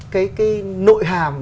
cái nội hàm